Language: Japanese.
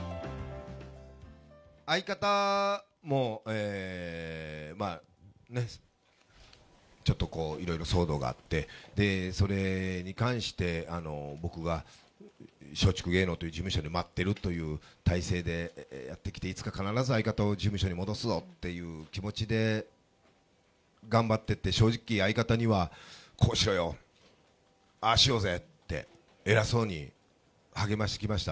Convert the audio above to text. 相方も、ちょっとこう、いろいろ騒動があって、それに関して僕が松竹芸能という事務所で待ってるという態勢でやってきて、いつか必ず相方を事務所に戻すぞっていう気持ちで、頑張ってて、正直、相方には、こうしろよ、ああしようぜって、偉そうに励ましてきました。